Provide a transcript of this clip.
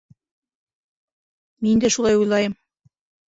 Мин дә шулай уйлайым